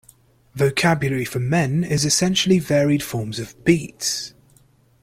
Vocabulary for men is essentially varied forms of beats.